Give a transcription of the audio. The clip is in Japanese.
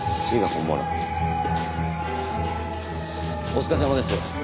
お疲れさまです。